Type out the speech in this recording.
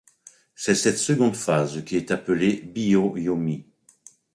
C'est cette seconde phase qui est appelée byo yomi.